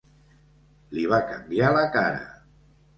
Li va canviar la cara.